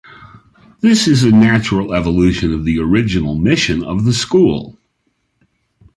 This is a natural evolution of the original mission of the school.